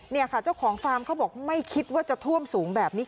นี่ค่ะเจ้าของฟาร์มเขาบอกไม่คิดว่าจะท่วมสูงแบบนี้